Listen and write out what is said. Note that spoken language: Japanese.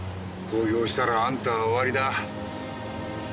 公表したらあんたは終わりだ。